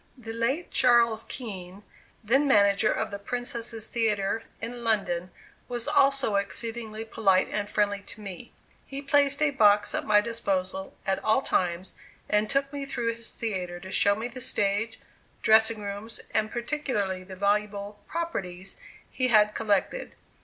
The late Charles Kean, then manager of the Princess's Theatre, in London, was also exceedingly polite and friendly to me. He placed a box at my disposal at all times, and took me through his theatre to show me the stage, dressing rooms, and particularly the valuable "properties" he had collected.